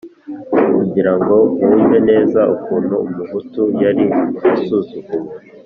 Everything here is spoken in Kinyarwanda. kugira ngo mwumve neza ukuntu umuhutu yari asuzuguwe,